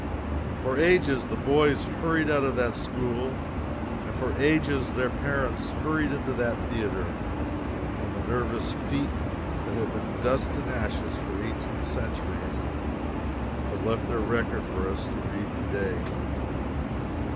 For ages the boys hurried out of that school, and for ages their parents hurried into that theatre, and the nervous feet that have been dust and ashes for eighteen centuries have left their record for us to read to day.